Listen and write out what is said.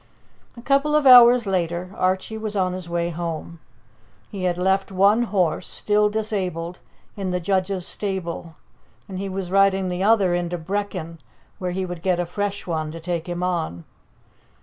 A couple of hours later Archie was on his way home. He had left one horse, still disabled, in the judge's stable, and he was riding the other into Brechin, where he would get a fresh one to take him on.